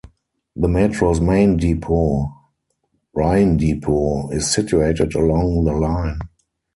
The metro's main depot, Ryen Depot, is situated along the line.